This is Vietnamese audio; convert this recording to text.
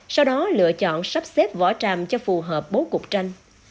sau đó lựa chọn sắp xếp vỏ tràm cho phù hợp bố cục tranh